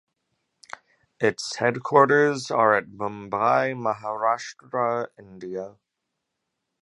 Its headquarters are at Mumbai, Maharashtra, India.